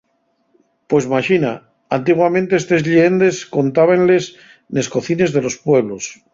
Pues maxina, antiguamente estes lleendes contábenles nes cocines de los pueblos.